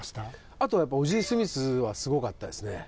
あとはやっぱオジー・スミスはすごかったですね。